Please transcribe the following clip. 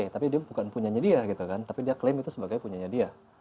tapi dia bukan punyanya dia gitu kan tapi dia klaim itu sebagai punyanya dia